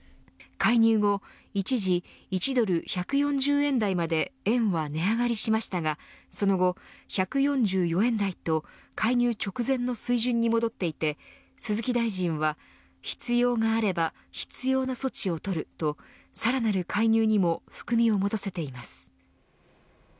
介入後一時１ドル１４０円台まで円は値上がりしましたがその後、１４４円台と介入直前の水準に戻っていて鈴木大臣は、必要があれば必要な措置をとるとさらなる介入にも含みを持たせています。